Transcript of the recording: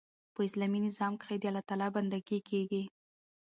په اسلامي نظام کښي د الله تعالی بندګي کیږي.